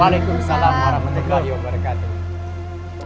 waalaikumsalam warahmatullahi wabarakatuh